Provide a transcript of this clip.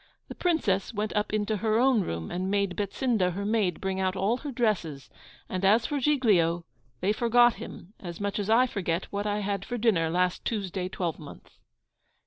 The Princess went up into her own room, and made Betsinda, her maid, bring out all her dresses; and as for Giglio, they forgot him as much as I forget what I had for dinner last Tuesday twelve month.